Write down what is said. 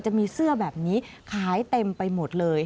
จะมีเสื้อแบบนี้ขายเต็มไปหมดเลย